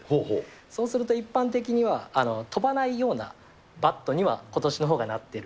そうすると、一般的には飛ばないようなバットには、ことしのほうがなってる。